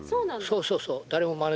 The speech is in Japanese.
そうそうそう。